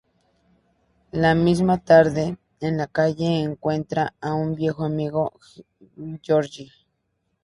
La misma tarde, en la calle, encuentra a un viejo amigo, Georges.